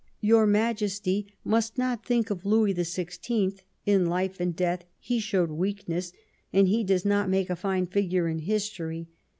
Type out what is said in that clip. Your Majesty must not think of Louis XVI ; in life and death he showed weakness, and he does not make a fine figure in history.